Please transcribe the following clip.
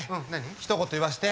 ひと言言わして。